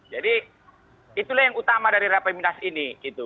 jadi itulah yang utama dari rapimnas ini